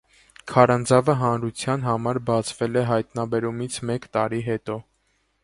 Քարանձավը հանրության համար բացվել է հայտնաբերումից մեկ տարի հետո։